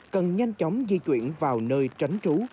cần nhanh chóng di chuyển vào nơi tránh trú